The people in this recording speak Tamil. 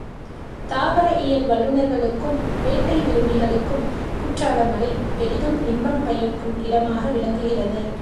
தாவர இயல் வல்லுநர்களுக்கும், வேட்டை விரும்பிகளுக்கும் குற்றாலமலை பெரிதும் இன்பம் பயக்கும் இடமாக விளங்கு கிறது.